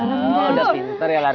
oh udah pinter ya lari